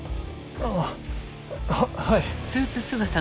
あぁ。ははい。